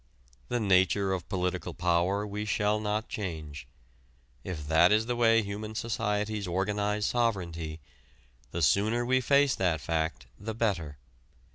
The nature of political power we shall not change. If that is the way human societies organize sovereignty, the sooner we face that fact the better.